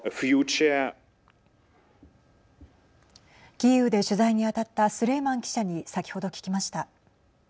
キーウで取材に当たったスレイマン記者に先ほど聞きました。